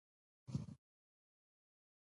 دغه مشران پوهېدل چې رودز یې له ناورین سره مخ کوي.